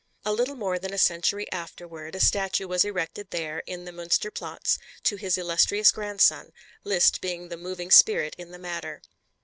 A little more than a century afterward a statue was erected there in the Münster Platz to his illustrious grandson, Liszt being the moving spirit in the matter.